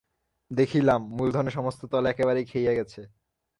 দেখিলাম, মূলধনের সমস্ত তলা একেবারে ক্ষইয়া গেছে।